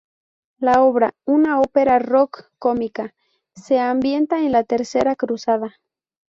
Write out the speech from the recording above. La obra, una ópera rock cómica, se ambienta en la Tercera Cruzada.